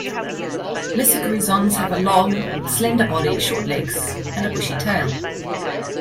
Lesser grisons have a long, slender body, short legs, and a bushy tail.